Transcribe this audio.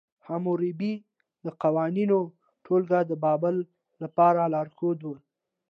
حموربي د قوانینو ټولګه د بابل لپاره لارښود وه.